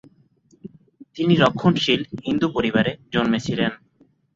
তিনি রক্ষণশীল হিন্দু পরিবারে জন্মেছিলেন।